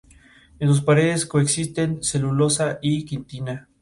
La mayor parte de los bienes necesarios son provistos mediante infraestructuras públicas.